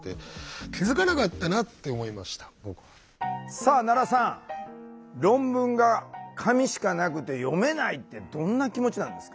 さあ奈良さん論文が紙しかなくて読めないってどんな気持ちなんですか？